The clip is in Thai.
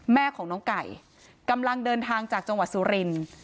แม่ของน้องไก่กำลังเดินทางจากจังหวัดสุรินทร์